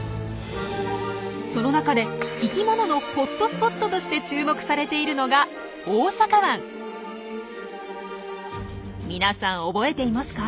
その中で「生きもののホットスポット」として注目されているのが皆さん覚えていますか？